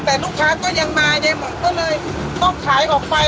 แต่ลูกค้าก็ยังมาดีหมดก็เลยต้องขายออกไป